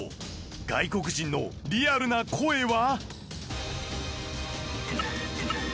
外国人のリアルな声は？